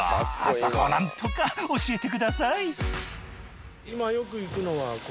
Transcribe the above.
そこをなんとか教えてください！